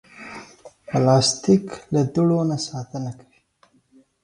پلاستيک له دوړو نه ساتنه کوي.